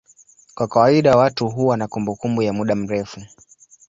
Kwa kawaida watu huwa na kumbukumbu ya muda mrefu.